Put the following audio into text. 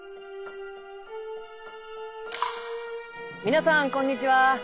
皆さんこんにちは。